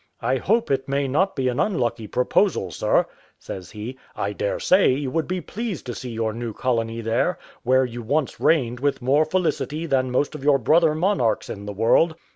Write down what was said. "I hope it may not be an unlucky proposal, sir," says he. "I daresay you would be pleased to see your new colony there, where you once reigned with more felicity than most of your brother monarchs in the world."